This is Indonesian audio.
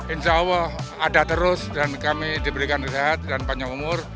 insya allah ada terus dan kami diberikan sehat dan panjang umur